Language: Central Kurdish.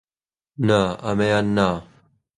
نا، ئەمەیان نا!